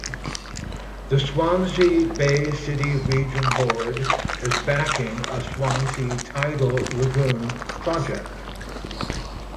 The Swansea Bay City Region Board is backing a Swansea Tidal Lagoon project.